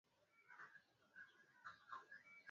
kulipa ankara za nishati za watu ambao hawana uwezo kifedha